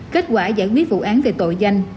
kết quả giải quyết vụ án về tội danh